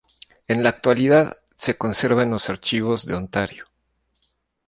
En la actualidad se conserva en los Archivos de Ontario.